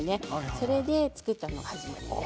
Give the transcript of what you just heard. それで作ったのが始まりです。